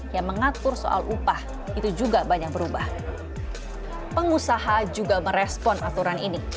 yang mengatur soal upah itu juga banyak berubah pengusaha juga merespon aturan ini